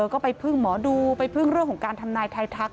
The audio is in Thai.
ก็ไปพึ่งหมอดูไปพึ่งเรื่องของการทำนายไทยทัก